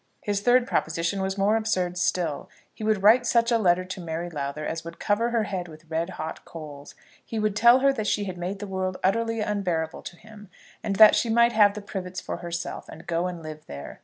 His third proposition was more absurd still. He would write such a letter to Mary Lowther as would cover her head with red hot coals. He would tell her that she had made the world utterly unbearable to him, and that she might have the Privets for herself and go and live there.